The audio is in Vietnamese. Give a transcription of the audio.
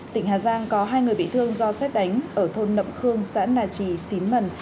tỉnh hà giang có hai người bị thương do xét đánh ở thôn nậm khương xã nà trì xín mần